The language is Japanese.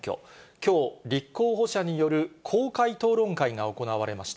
きょう、立候補者による公開討論会が行われました。